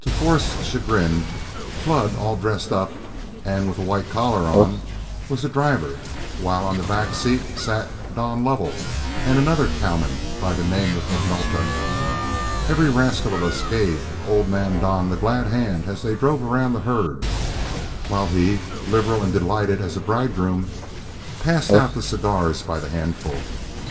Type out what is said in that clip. To Forrest's chagrin, Flood, all dressed up and with a white collar on, was the driver, while on a back seat sat Don Lovell and another cowman by the name of McNulta. Every rascal of us gave old man Don the glad hand as they drove around the herd, while he, liberal and delighted as a bridegroom, passed out the cigars by the handful.